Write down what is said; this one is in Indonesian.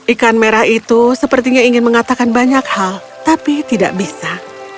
ikan merah itu sepertinya ingin mengatakan banyak hal tapi tidak bisa